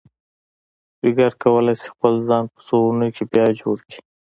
جگر کولی شي خپل ځان په څو اونیو کې بیا جوړ کړي.